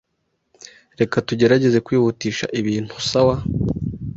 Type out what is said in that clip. Reka tugerageze kwihutisha ibintu, sawa?